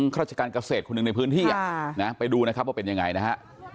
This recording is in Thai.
ราชการเกษตรคนหนึ่งในพื้นที่ไปดูนะครับว่าเป็นยังไงนะฮะ